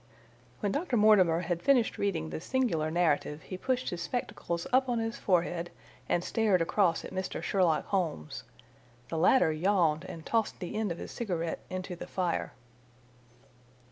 ]" When Dr. Mortimer had finished reading this singular narrative he pushed his spectacles up on his forehead and stared across at Mr. Sherlock Holmes. The latter yawned and tossed the end of his cigarette into the fire.